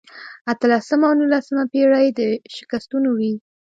اتلسمه او نولسمه پېړۍ د شکستونو وې.